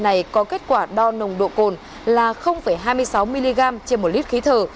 này có kết quả đo nồng độ cồn là hai mươi sáu mg trên một lít khí thở